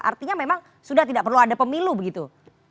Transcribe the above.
artinya memang sudah tidak perlu ada pemilu begitu